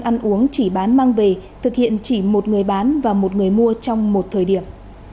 ăn uống chỉ bán mang về thực hiện chỉ một người bán và một người mua trong một thời điểm